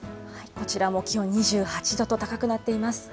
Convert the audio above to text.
こちらも気温２８度と高くなっています。